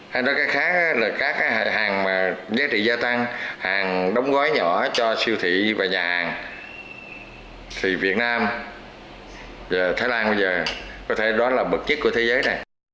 hay nói cái khác là các hàng mà giá trị gia tăng hàng đóng gói nhỏ cho siêu thị và nhà hàng thì việt nam thái lan bây giờ có thể nói là bậc nhất của thế giới này